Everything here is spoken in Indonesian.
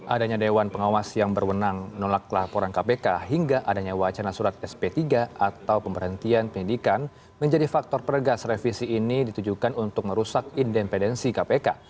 adanya dewan pengawas yang berwenang menolak laporan kpk hingga adanya wacana surat sp tiga atau pemberhentian penyidikan menjadi faktor pergas revisi ini ditujukan untuk merusak independensi kpk